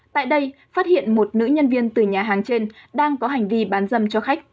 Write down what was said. tại đây phát hiện một nữ nhân viên từ nhà hàng trên đang có hành vi bán dâm cho khách